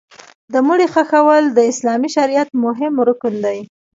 د مړي ښخول د اسلامي شریعت مهم رکن دی.